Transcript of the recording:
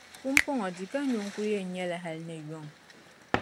Pumpɔŋɔ di ka nyu n-kuli yɛn nyɛ li hali ni yuŋ